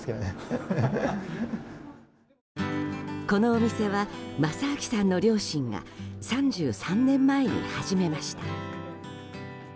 このお店は、正晃さんの両親が３３年前に始めました。